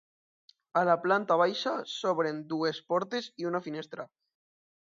A la planta baixa s'obren dues portes i una finestra.